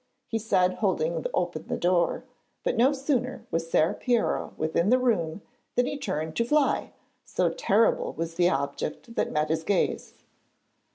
he said holding open the door, but no sooner was Ser Piero within the room than he turned to fly, so terrible was the object that met his gaze.